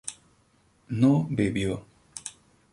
no bebió